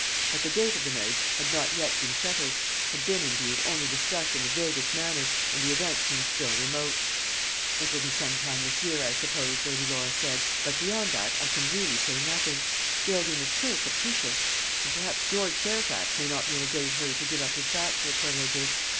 But the date of the marriage had not yet been settled had been, indeed, only discussed in the vaguest manner, and the event seemed still remote. "It will be some time this year, I suppose," Lady Laura said; "but beyond that I can really say nothing. Geraldine is so capricious; and perhaps George Fairfax may not be in a great hurry to give up his bachelor privileges.